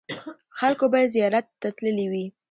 خلکو به یې زیارت ته تللي وي.